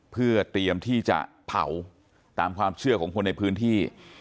เพื่อเตรียมที่จะเผาตามความเชื่อของคนในพื้นที่